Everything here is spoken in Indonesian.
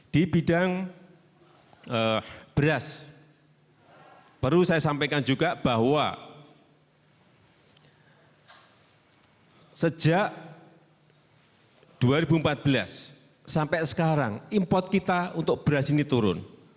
di bidang beras perlu saya sampaikan juga bahwa sejak dua ribu empat belas sampai sekarang import kita untuk beras ini turun